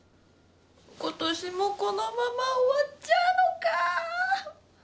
今年もこのまま終わっちゃうのか。